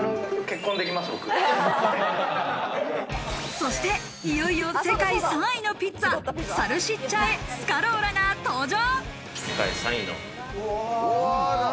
そして、いよいよ世界３位のピッツァ、「サルシッチャエスカローラ」が登場。